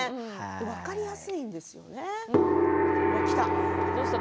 分かりやすいですね。